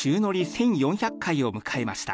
１４００回を迎えました。